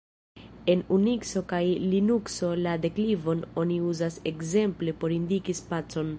En Unikso kaj Linukso la deklivon oni uzas ekzemple por indiki spacon.